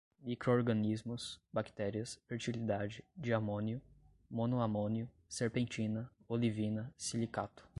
microrganismos, bactérias, fertilidade, diamônio, monoamônio, serpentina, olivina, silicato